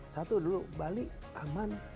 satu dulu bali aman